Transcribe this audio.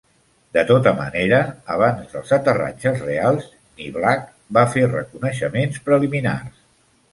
De tota manera, abans dels aterratges reals, "Niblack" va fer reconeixements preliminars.